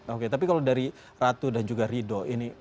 oke tapi kalau dari ratu dan juga rido ini